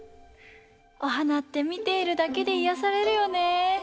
おはなってみているだけでいやされるよね。